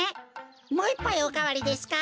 もう１ぱいおかわりですか？